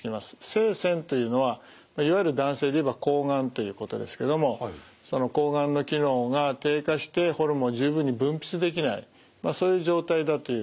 性腺というのはいわゆる男性でいえばこうがんということですけどもそのこうがんの機能が低下してホルモンを十分に分泌できないそういう状態だという